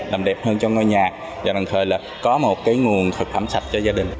làm đẹp hơn cho ngôi nhà và đồng thời có một nguồn thực phẩm sạch cho gia đình